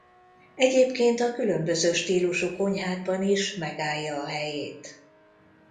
Egyébként a különböző stílusú konyhákban is megállja a helyét.